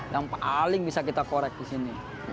yang paling bisa kita korek di sini